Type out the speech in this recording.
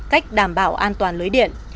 cách đảm bảo an toàn lưới điện